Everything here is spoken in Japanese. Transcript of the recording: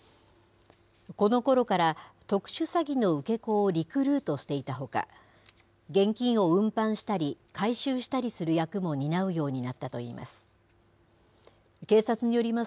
このころから特殊詐欺の受け子をリクルートしていたほか、現金を運搬したり、回収したりする役も担うようになったといいます。